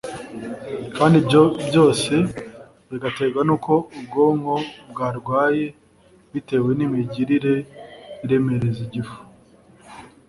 kandi ibyo byose bigaterwa n'uko ubwonko bwarwaye bitewe n'imigirire iremereza igifu